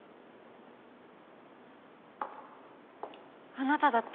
あなただって。